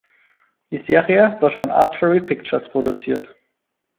Die Serie wird von Archery Pictures produziert.